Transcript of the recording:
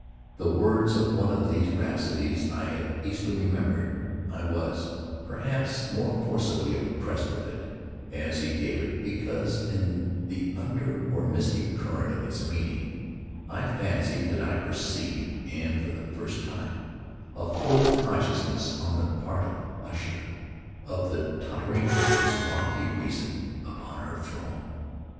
The words of one of these rhapsodies I have easily remembered. I was, perhaps, the more forcibly impressed with it, as he gave it, because, in the under or mystic current of its meaning, I fancied that I perceived, and for the first time, a full consciousness on the part of Usher of the tottering of his lofty reason upon her throne.